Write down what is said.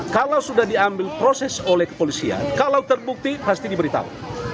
kalau sudah diambil proses oleh kepolisian kalau terbukti pasti diberitahu